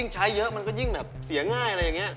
ใช้เยอะมันก็ยิ่งแบบเสียง่ายอะไรอย่างนี้